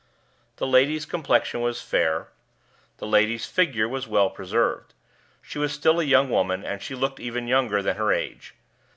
The lady's complexion was fair, the lady's figure was well preserved; she was still a young woman, and she looked even younger than her age.